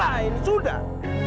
sudahlah ini sudah